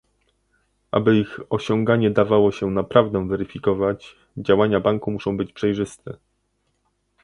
Aby ich osiąganie dawało się naprawdę weryfikować, działania banku muszą być przejrzyste